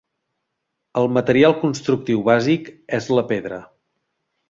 El material constructiu bàsic és la pedra.